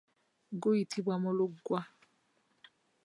Guyitibwa mulugwa.